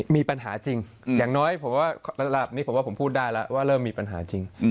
มีปัญหาจริงอย่างน้อยผมว่าระดับนี้ผมว่าผมพูดได้แล้วว่าเริ่มมีปัญหาจริง